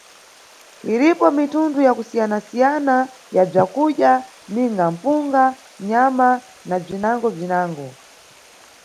Iripo mitundu ya kusiyanasiyana ya bzakudya ninga mpunga, nyama na bzinangobzinago.